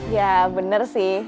ya bener sih